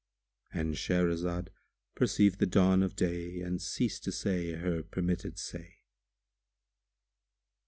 —And Shahrazed perceived the dawn of day and ceased to say her permitted say.